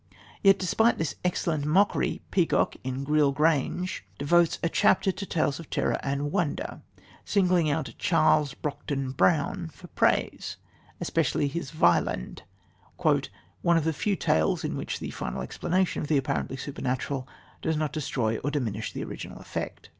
Yet despite this excellent mockery, Peacock in Gryll Grange devotes a chapter to tales of terror and wonder, singling out the works of Charles Brockden Brown for praise, especially his Wieland, "one of the few tales in which the final explanation of the apparently supernatural does not destroy or diminish the original effect."